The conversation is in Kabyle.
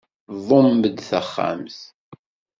Ḍumm-d taxxamt.